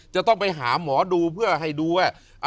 จะต้องไปหาหมอดูเพื่อให้ดูว่า